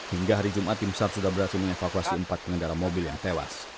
hingga hari jumat timsar sudah berhasil menyevakuasi empat pengendara mobil yang tewas